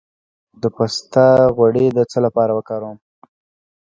د پسته غوړي د څه لپاره وکاروم؟